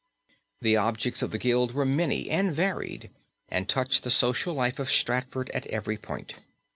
The objects of the Guild were many and varied and touched the social life of Stratford at every point.